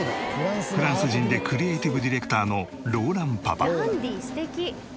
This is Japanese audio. フランス人でクリエイティブディレクターのローランパパ。